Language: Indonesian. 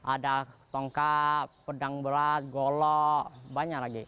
ada tongkap pedang berat golok banyak lagi